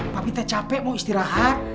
tapi tak capek mau istirahat